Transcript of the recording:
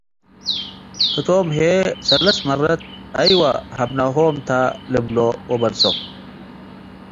ህቶም ህዬ፡ ሰለስ መረት፣ “አይወ ሀብናሆም ተ” ልብሎ ወበልሶ ።